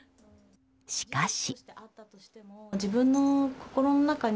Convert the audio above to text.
しかし。